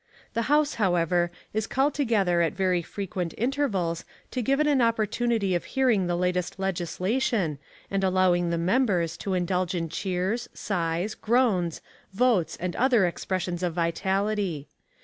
The House, however, is called together at very frequent intervals to give it an opportunity of hearing the latest legislation and allowing the members to indulge in cheers, sighs, groans, votes and other expressions of vitality.